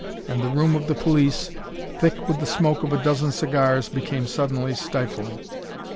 And the room of the police, thick with the smoke of a dozen cigars, became suddenly stifling.